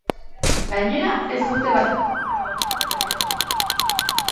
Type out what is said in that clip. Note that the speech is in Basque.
Gainera, ez dute baztertu greba orokorra berriro deitzea.